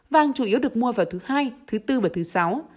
vàng chủ yếu được mua vào thứ hai thứ bốn và thứ sáu